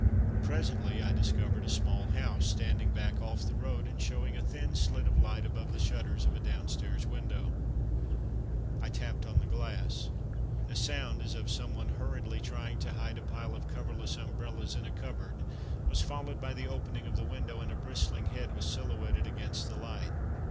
Presently I discovered a small house, standing back off the road and showing a thin slit of light above the shutters of a downstairs window. I tapped on the glass. A sound as of someone hurriedly trying to hide a pile of coverless umbrellas in a cupboard was followed by the opening of the window, and a bristling head was silhouetted against the light.